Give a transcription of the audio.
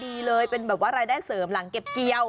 ดีเลยเป็นแบบว่ารายได้เสริมหลังเก็บเกี่ยว